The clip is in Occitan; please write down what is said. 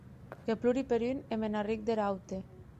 Que plori per un, e me n’arric der aute.